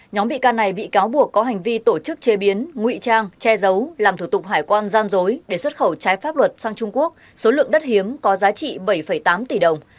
nhóm bị can này bị cáo buộc có hành vi tổ chức chế biến ngụy trang che giấu làm thủ tục hải quan gian dối để xuất khẩu trái pháp luật sang trung quốc số lượng đất hiếm có giá trị bảy tám tỷ đồng